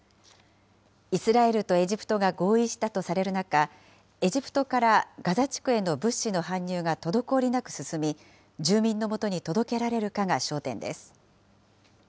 イスラエルとエジプトが合意したとされる中、エジプトからガザ地区への物資の搬入が滞りなく進み、住民のもとに届けられるかが焦点です。